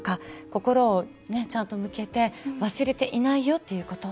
心をちゃんと向けて忘れていないよと言うこと。